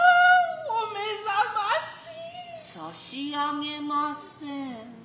差上げません。